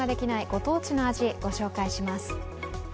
ご当地の味、ご紹介します。